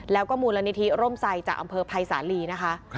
แล้วก็มูลนิธิร่มไซดจากอำเภอภัยสาลีนะคะ